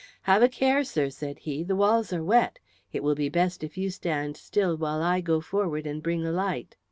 "Have a care, sir," said he; "the walls are wet. It will be best if you stand still while I go forward and bring a light."